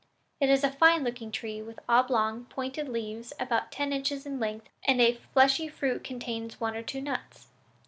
It is a fine looking tree with oblong, pointed leaves about ten inches in length and a fleshy fruit containing one or two nuts.